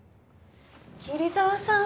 桐沢さん！